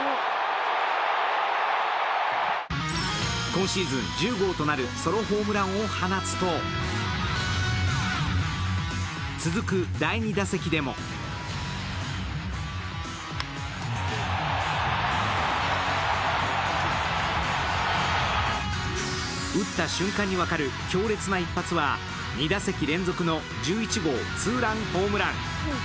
今シーズン１０号となるソロホームランを放つと続く第２打席でも打った瞬間に分かる強烈な一発は２打席連続の１１号ツーランホームラン。